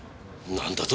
なんだと？